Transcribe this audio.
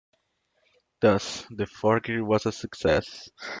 Thus, the forgery was a success.